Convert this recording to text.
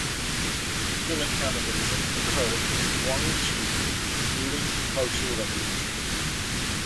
Human cannibalism occurred in Guangxi during the Cultural Revolution.